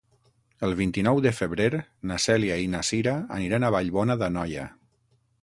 El vint-i-nou de febrer na Cèlia i na Cira aniran a Vallbona d'Anoia.